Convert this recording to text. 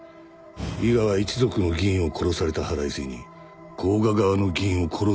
伊賀は一族の議員を殺された腹いせに甲賀側の議員を殺そうとしている。